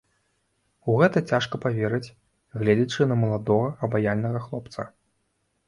У гэта цяжка паверыць, гледзячы на маладога, абаяльнага хлопца.